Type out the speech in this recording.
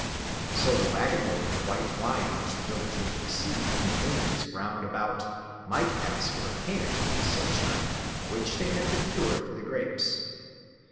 So the waggon load of white wine which the villagers received from the vineyards round about might pass for a payment for the sunshine which they had procured for the grapes.